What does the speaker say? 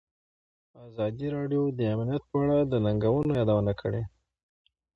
ازادي راډیو د امنیت په اړه د ننګونو یادونه کړې.